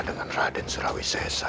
dengan raden surawi sesa